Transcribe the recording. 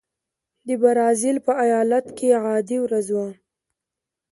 د برازیل په ایالت کې عادي ورځ وه.